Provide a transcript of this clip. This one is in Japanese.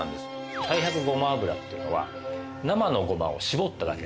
太白ごま油っていうのは生のごまを搾っただけ。